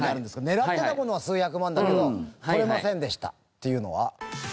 狙ってたものは数百万だけど取れませんでしたっていうのは。